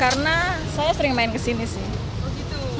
karena saya sering main kesini sih